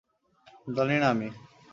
জানি না আমি।